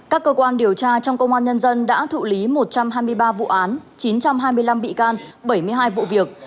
các cơ quan điều tra trong công an nhân dân đã thụ lý một trăm hai mươi ba vụ án chín trăm hai mươi năm bị can bảy mươi hai vụ việc